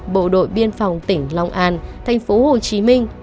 bộ đội biên phòng tỉnh long an thành phố hồ chí minh